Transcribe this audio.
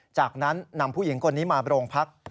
จากนั้นนำผู้หญิงคนนี้มาโรงพัก